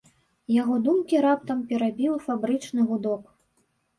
Яго думкі раптам перабіў фабрычны гудок.